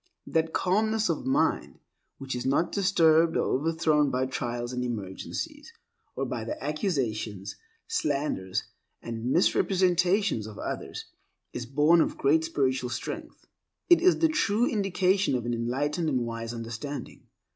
That calmness of mind, which is not disturbed or overthrown by trials and emergencies, or by the accusations, slanders, and misrepresentations of others, is born of great spiritual strength. It is the true indication of an enlightened and wise understanding.